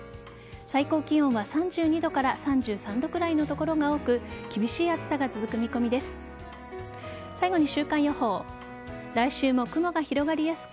最高気温は３２度から３３度くらいの所が多く厳しい暑さが続く見込みです。